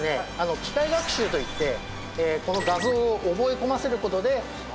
機械学習といってこの画像を覚え込ませる事で学習させてます。